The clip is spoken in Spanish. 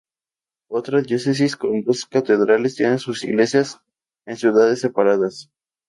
Otras diócesis con dos catedrales, tienen sus iglesias en ciudades separadas.